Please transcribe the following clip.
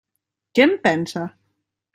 Què en pensa?